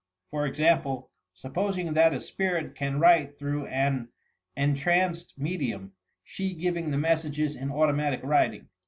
For example: Supposing that a spirit can write through an entranced medium — she giving the messages in automatic writing.